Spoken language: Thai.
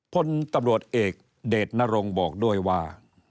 พลตำรวจเอกเดชนรงค์บอกด้วยว่า